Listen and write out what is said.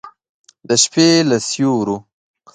د شپې له سیورو